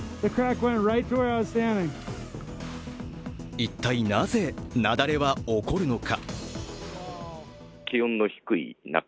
一体、なぜ、雪崩は起こるのか。